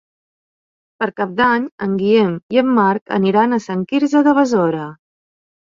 Per Cap d'Any en Guillem i en Marc aniran a Sant Quirze de Besora.